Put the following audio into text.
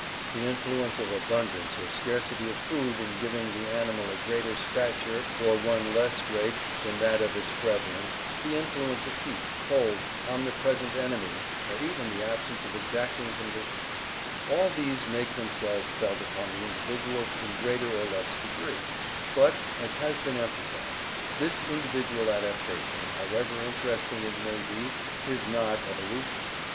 The influence of abundance or scarcity of food in giving the animal a greater stature or one less great than that of its brethren, the in fluence of heat, cold, omnipresent enemies, or even the absence of exacting conditions: all these make themselves felt upon the in 138 ORGANIC EVOLUTION dividual in greater or less degree, but, as has been emphasized, this individual adaptation, however interesting it may be, is not evolution.